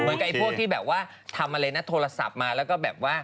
ไอ้พวกที่แบบว่าทำอะไรนะโทรศัพท์มาแล้วก็แบบว่า